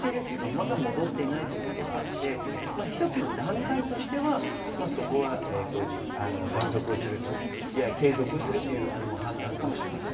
まだ戻っていないということがあって、一つの段階としては継続をするという判断かもしれません。